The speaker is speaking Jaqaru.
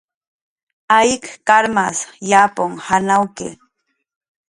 Ayk karmas yapun janawki